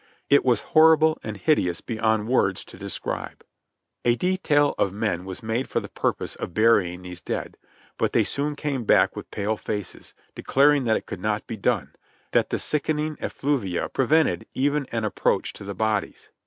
It was horrible and hideous beyond words to describe. A detail of men was made for the purpose of burying these dead, but they soon came back with pale faces, declaring that it could not be done ; that the sickening effluvia prevented even an approach to the bodies.